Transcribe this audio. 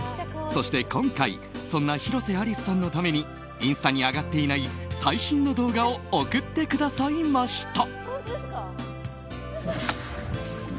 そして、今回そんな広瀬アリスさんのためにインスタに上がっていない最新の動画を送ってくださいました。